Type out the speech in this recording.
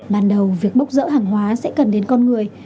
ban đầu việc bốc rỡ hàng hóa sẽ cần đến con người